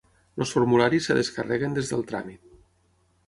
Els formularis es descarreguen des del tràmit.